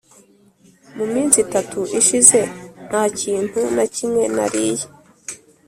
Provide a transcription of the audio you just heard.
mu minsi itatu ishize nta kintu na kimwe nariye.